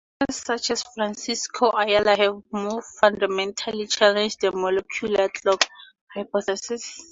Researchers such as Francisco Ayala have more fundamentally challenged the molecular clock hypothesis.